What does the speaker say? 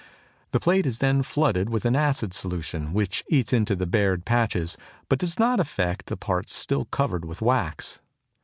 The plate is then flooded with an acid solution, which eats into the bared patches, but does not affect the parts still covered with wax.